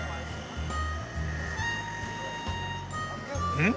うん？